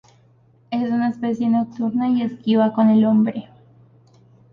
Es una especie nocturna y esquiva con el hombre.